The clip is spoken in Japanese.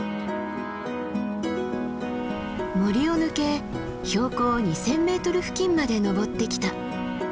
森を抜け標高２，０００ｍ付近まで登ってきた。